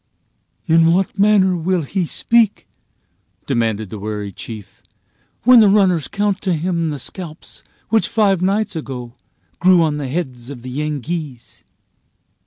"In what manner will he speak," demanded the wary chief, "when the runners count to him the scalps which five nights ago grew on the heads of the Yengeese?"